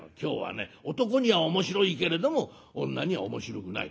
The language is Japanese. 男には面白いけれども女には面白くない」。